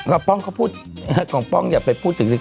ก็ป้องเขาพูดของป้องอย่าไปพูดถึงสิ